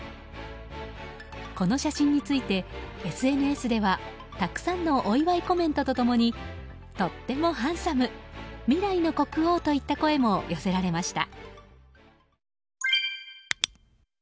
この写真についてＳＮＳではたくさんのお祝いコメントと共にとってもハンサム未来の国王といった声も寄せられました。